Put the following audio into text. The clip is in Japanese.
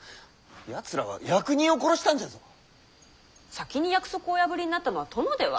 先に約束をお破りになったのは殿では？